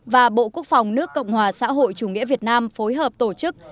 và bộ quốc phòng nước cộng hòa xã hội chủ nghĩa việt nam phối hợp tổ chức